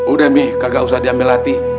udah mi kagak usah diambil hati